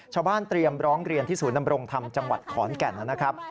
ชาวบ้านเตรียมร้องเรียนที่ศูนย์นำรงธรรมจังหวัดขอนแก่นนะครับ